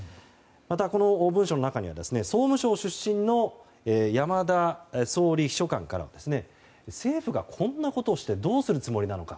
また、文書の中には総務省出身の山田総理秘書官から政府がこんなことをしてどうするつもりなのか。